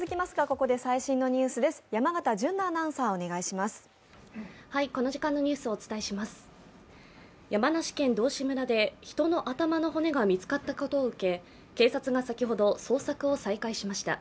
山梨県道志村で人の頭の骨が見つかったことを受け、警察が先ほど、捜索を再開しました